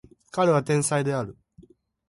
彼は天才である